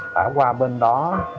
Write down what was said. đã qua bên đó